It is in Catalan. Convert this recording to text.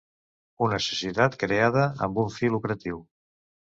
Una societat creada amb un fi lucratiu.